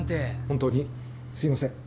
本当にすいません。